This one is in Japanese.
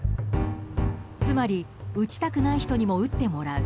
つまり打ちたくない人にも打ってもらう。